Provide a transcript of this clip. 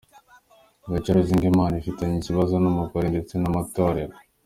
Wicare uzi ngo Imana ifitanye ikibazo n’umugore ndetse n’amatorero.”